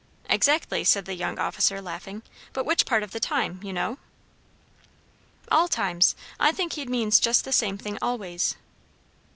"Exactly," said the young officer, laughing; "but which part of the time, you know?" "All times. I think he means just the same thing always."